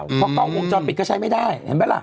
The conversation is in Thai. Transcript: เพราะกล้องวงจรปิดก็ใช้ไม่ได้เห็นไหมล่ะ